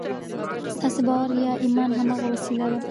ستاسې باور يا ايمان هماغه وسيله ده.